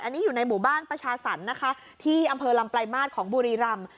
อันนี้อยู่ในหมู่บ้านประชาสรรค์นะคะที่อำเภอลำปลายมาตรของบุรีรำ